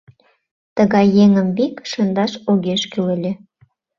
Тыгай еҥым вик шындаш огеш кӱл ыле.